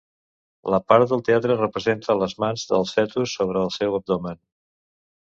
La part del darrere representa les mans del fetus sobre el seu abdomen.